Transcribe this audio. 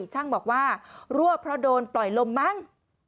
ช่างบอกว่ารั่วเพราะโดนปล่อยลมมั้ง